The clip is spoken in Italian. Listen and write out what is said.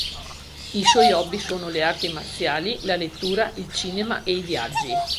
I suoi hobby sono le arti marziali, la lettura, il cinema e i viaggi.